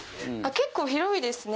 結構広いですね。